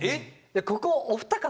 ここお二方